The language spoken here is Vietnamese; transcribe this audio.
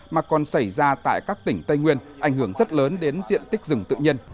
mà còn xảy ra tại các tỉnh tây nguyên ảnh hưởng rất lớn đến diện tích rừng tự nhiên